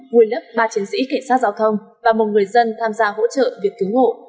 vùi lấp ba chiến sĩ cảnh sát giao thông và một người dân tham gia hỗ trợ việc cứu hộ